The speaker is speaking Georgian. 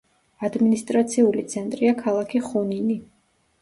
ადმინისტრაციული ცენტრია ქალაქი ხუნინი.